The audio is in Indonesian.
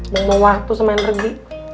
bukan mau waktu semain regi